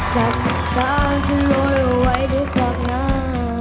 กลับทางที่โรยเอาไว้ด้วยความน้ำ